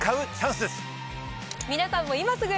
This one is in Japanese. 皆さんも今すぐ。